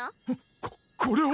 こっこれは！